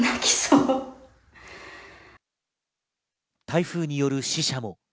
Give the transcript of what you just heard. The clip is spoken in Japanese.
台風による死者も。